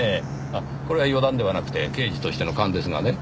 あっこれは予断ではなくて刑事としての勘ですがね。